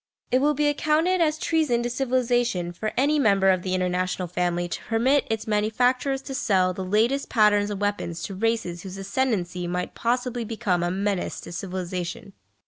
It will be accounted as treason to civilisation for any member of the international family to permit its manufacturers to sell the latest patterns of weapons to races whose ascendency might possibly become a menace to civilisation.